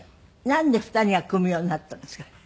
なんで２人が組むようになったんですか？